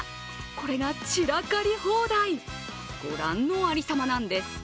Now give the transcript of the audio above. これが散らかり放題、ご覧のありさまなんです。